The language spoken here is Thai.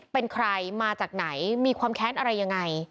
เป็นใครมาจากไหนมีความแค้นอะไรยังไง